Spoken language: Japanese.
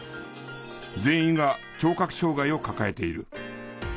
全員が聴覚障害を抱えている。